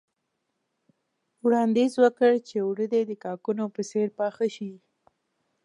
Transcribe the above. وړانديز وکړ چې اوړه دې د کاکونو په څېر پاخه شي.